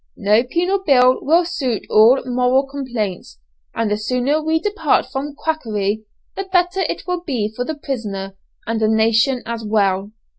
No penal bill will suit all moral complaints, and the sooner we depart from quackery the better it will be for the prisoner and the nation as well.